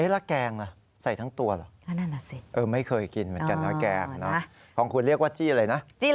แล้วแกงล่ะใส่ทั้งตัวเหรอไม่เคยกินเหมือนกันนะแกงนะของคุณเรียกว่าจี้อะไรนะ